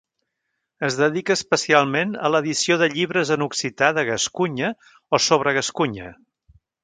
Es dedica especialment a l’edició de llibres en occità de Gascunya o sobre Gascunya.